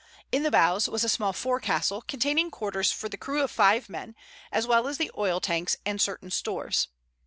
In the bows was a small forecastle, containing quarters for the crew of five men as well as the oil tanks and certain stores.